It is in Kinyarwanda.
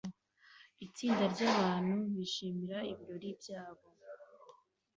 Itsinda ryabantu bishimira ibirori byabo